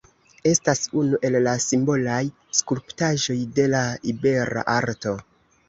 Estas unu el la simbolaj skulptaĵoj de la ibera Arto.